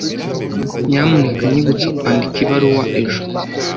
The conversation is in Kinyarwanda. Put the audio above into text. Nyamuneka nyibutsa kwandika ibaruwa ejo.